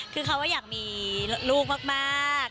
คือเขาก็อยากมีลูกมาก